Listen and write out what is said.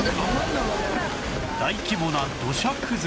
大規模な土砂崩れ